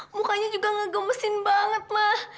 mukanya juga ngegemesin banget mah